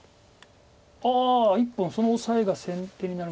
あ１本そのオサエが先手になる。